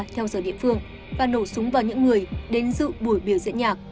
theo giờ địa phương và nổ súng vào những người đến dự buổi biểu diễn nhạc